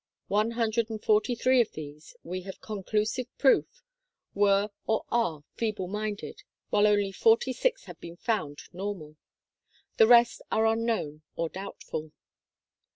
One hundred and forty three of these, we have con clusive proof, were or are feeble minded, while only forty six have been found normal. The rest are unknown or doubtful.